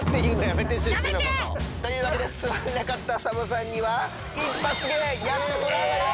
やめて！というわけですわれなかったサボさんには一発芸やってもらうわよ！